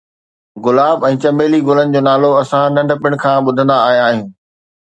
گلاب ۽ چنبيلي گلن جو نالو اسان ننڍپڻ کان ٻڌندا آيا آهيون.